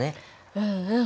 うんうん。